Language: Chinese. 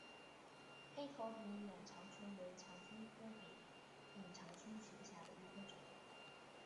黑头柄眼长蝽为长蝽科柄眼长蝽属下的一个种。